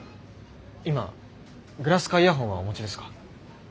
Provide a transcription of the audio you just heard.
今グラスかイヤホンはお持ちですか？